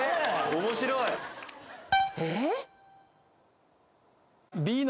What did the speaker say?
面白いえっ？